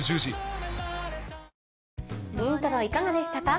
イントロいかがでしたか？